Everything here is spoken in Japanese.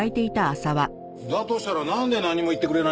だとしたらなんで何も言ってくれないんですかね？